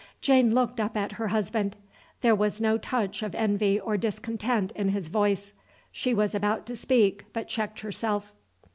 Jane looked up at her husband. There was no touch of envy or discontent in his voice. She was about to speak but checked herself.